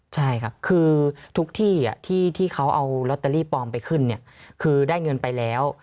ใช่ครับคือทุกที่ที่เขาเอาลอตเตอรี่ปลอมไปขึ้นเนี่ยคือได้เงินไปแล้ว